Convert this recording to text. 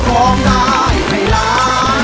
ฝนได้ให้รัก